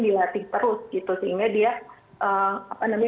dilatih terus gitu sehingga dia